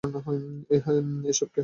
এসব কেহ শেখায় না।